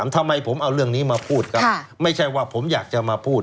ทำไมผมเอาเรื่องนี้มาพูดครับไม่ใช่ว่าผมอยากจะมาพูด